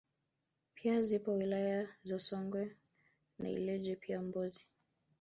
pia zipo wilaya za Songwe na Ileje pia Mbozi